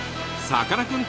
さかなクン」。